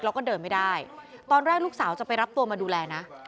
แล้วก็เดินไม่ได้ตอนแรกลูกสาวจะไปรับตัวมาดูแลนะ